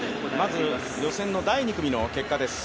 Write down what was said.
予選の第２組の結果です。